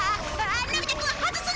のび太くん外すなよ！